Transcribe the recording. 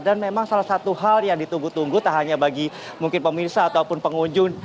dan memang salah satu hal yang ditunggu tunggu tak hanya bagi mungkin pemirsa ataupun pengunjung